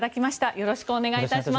よろしくお願いします。